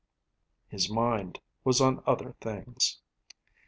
His mind was on other things.